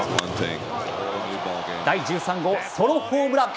第１３号ソロホームラン。